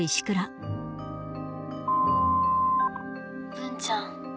文ちゃん